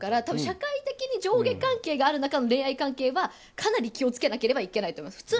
多分、社会的に上下関係がある中の恋愛関係はかなり気を付けなければいけないと思います。